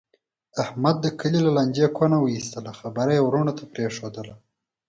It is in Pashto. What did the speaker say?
احمد د کلي له لانجې کونه و ایستله. خبره یې ورڼو ته پرېښودله.